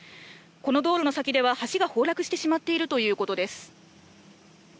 この道路の先では橋が崩落してしまっているということです。